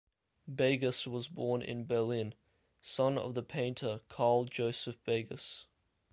Begas was born in Berlin, son of the painter Carl Joseph Begas.